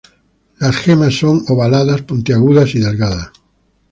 Las gemas son ovaladas, puntiagudas y delgadas.